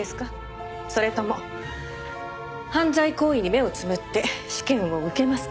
それとも犯罪行為に目をつむって試験を受けますか？